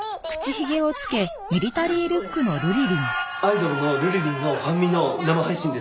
アイドルのルリリンのファンミの生配信です。